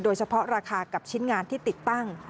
โดยเฉพาะราคากับชิ้นงานที่ติดตั้ง